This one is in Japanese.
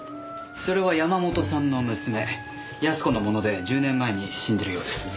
それは山本さんの娘康子のもので１０年前に死んでるようです。